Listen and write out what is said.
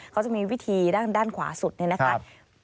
เขาจะมีวิธีด้านขวาสุดนี่นะคะ